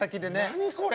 何これ。